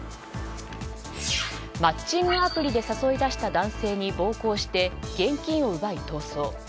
マッチングアプリで誘い出した男性に暴行して現金を奪い逃走。